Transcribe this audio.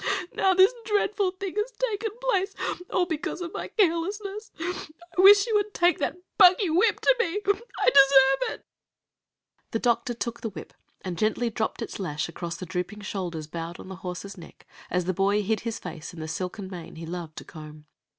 Now this dreadful thing has taken place, all because of my carelessness. I wish you would take that buggy whip to me; I deserve it." The doctor took the whip, and gently dropped its lash across the drooping shoulders bowed on the horse's neck as the boy hid his face in the silken mane he loved to comb.